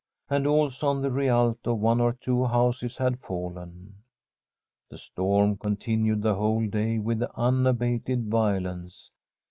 And also on the Rialto one or two houses had fallen. The storm continued the whole day with un abated violence.